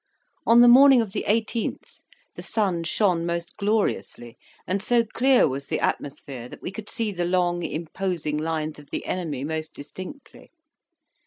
On the morning of the 18th the sun shone most gloriously, and so clear was the atmosphere that we could see the long, imposing lines of the enemy most distinctly.